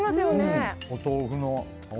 お豆腐の。